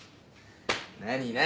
何何？